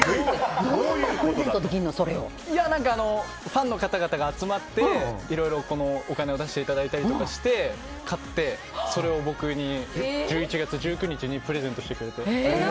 ファンの方々が集まってお金を出していただいたりして買ってそれを僕に１１月１９日にプレゼントしてくれて。